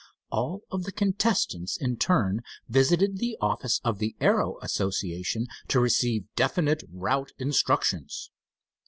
All of the contestants in turn visited the office of the Aero Association to receive definite route instructions.